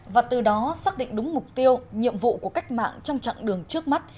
và từ đó xác định đúng mục tiêu nhiệm vụ của cách mạng trong chặng đường trước mắt